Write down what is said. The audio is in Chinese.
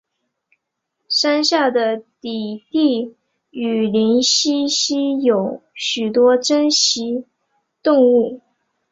山下的低地雨林栖息有许多珍稀动物。